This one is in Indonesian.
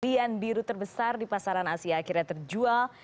varian biru terbesar di pasaran asia akhirnya terjual